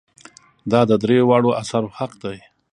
دا د دریو واړو آثارو حق دی.